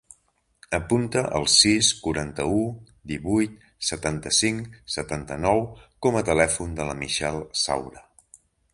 Apunta el sis, quaranta-u, divuit, setanta-cinc, setanta-nou com a telèfon de la Michelle Saura.